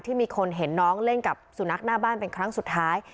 มีคนเห็นน้องเล่นกับสุนัขหน้าบ้านเป็นครั้งสุดท้าย